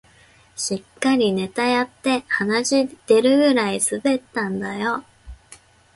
しっかりネタやって鼻血出るくらい滑ったんだよ